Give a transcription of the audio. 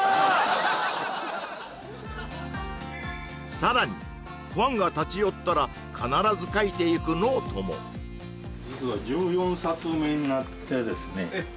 さらにファンが立ち寄ったら必ず書いていくノートも実は１４冊目になってですねえっ